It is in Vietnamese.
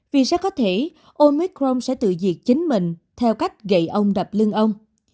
vì sẽ có thể omicron sẽ tự diệt chính mình theo cách gậy ông đập lưng ông